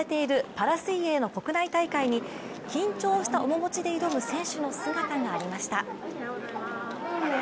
パラスポーツに緊張した面持ちで挑む選手の姿がありました。